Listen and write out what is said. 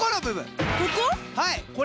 はい！